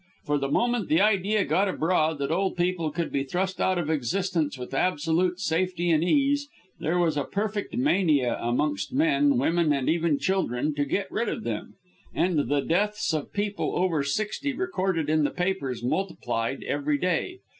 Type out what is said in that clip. For the moment the idea got abroad that old people could be thrust out of existence with absolute safety and ease, there was a perfect mania amongst men, women, and even children, to get rid of them, and the deaths of people over sixty recorded in the papers multiplied every day.